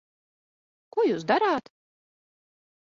Ko jūs darāt?